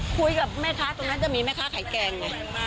คุยกับแม่ค้าตรงนั้นจะมีแม่ค้าขายแกงไง